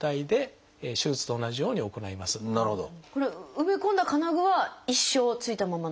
埋め込んだ金具は一生ついたままなんですか？